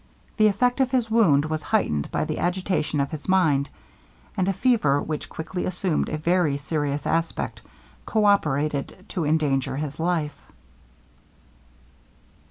The effect of his wound was heightened by the agitation of his mind; and a fever, which quickly assumed a very serious aspect, co operated to endanger his life.